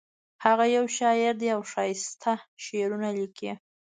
هغه یو شاعر ده او ښایسته شعرونه لیکي